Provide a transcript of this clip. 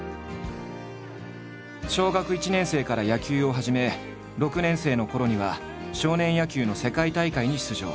小学１年生から野球を始め６年生のころには少年野球の世界大会に出場。